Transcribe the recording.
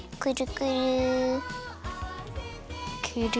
くるくる。